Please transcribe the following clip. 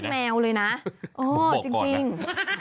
เหมือนดูแลสุนนักแมวเลยนะ